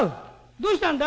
どうしたんだ？